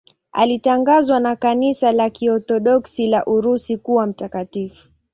Alitangazwa na Kanisa la Kiorthodoksi la Urusi kuwa mtakatifu.